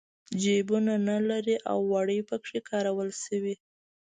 جېبونه نه لري او وړۍ پکې کارول شوي.